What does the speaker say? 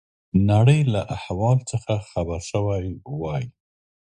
نړۍ له احوال څخه خبر شوي وای.